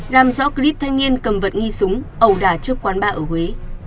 làm rõ clip thanh niên cầm vật nghi súng ẩu đà trước quán bar ở huế